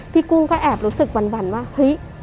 กุ้งก็แอบรู้สึกหวั่นว่าเฮ้ย